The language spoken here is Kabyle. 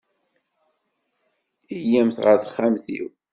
Iyyamt ɣer texxamt-iw.